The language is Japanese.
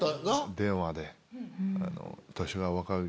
電話で。